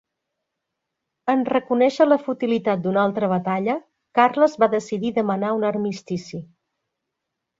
En reconèixer la futilitat d'una altra batalla, Carles va decidir demanar un armistici.